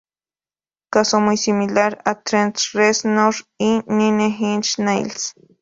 Caso muy similar a Trent Reznor y Nine Inch Nails.